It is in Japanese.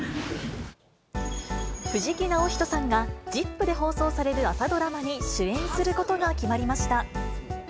藤木直人さんが、ＺＩＰ！で放送される朝ドラマに主演することが決まりました。